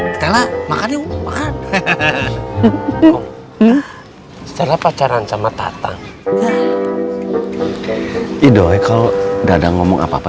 stella makanya umpan hahaha enggak secara pacaran sama tatang idoy kalau dadah ngomong apa apa